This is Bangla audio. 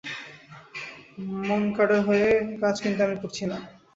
মনকাডার হয়ে কাজ কিন্তু আমি করছি না।